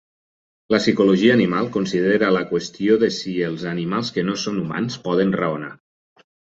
La psicologia animal considera la qüestió de si els animals que no són humans poden raonar.